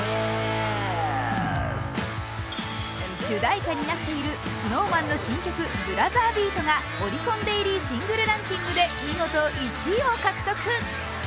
主題歌になっているＳｎｏｗＭａｎの新曲「ブラザービート」がオリコンデイリーシングルランキングで見事１位を獲得。